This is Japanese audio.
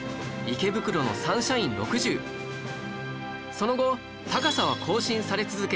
その後高さは更新され続け